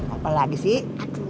apa lagi sih